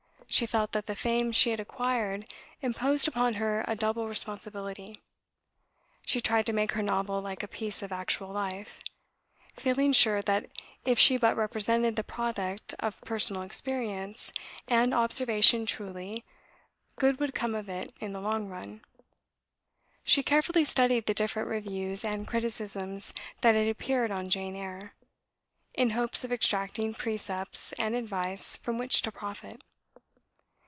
She felt that the fame she had acquired imposed upon her a double responsibility. She tried to make her novel like a piece of actual life, feeling sure that, if she but represented the product of personal experience and observation truly, good would come out of it in the long run. She carefully studied the different reviews and criticisms that had appeared on "Jane Eyre," in hopes of extracting precepts and advice from which to profit.